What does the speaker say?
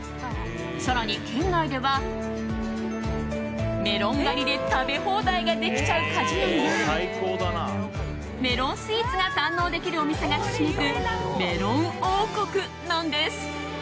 更に県内では、メロン狩りで食べ放題ができちゃう果樹園にメロンスイーツが堪能できるお店がひしめくメロン王国なんです。